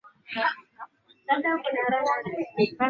chi sharif wa dar es salaam tanzania unasema mungu ibariki